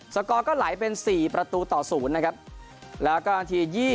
สกอร์ก็ไหลเป็น๔ประตูต่อ๐นะครับแล้วก็นาที๒๐